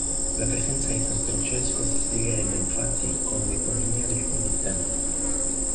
La presenza di san Francesco si spiegherebbe infatti con l'eponimia del committente.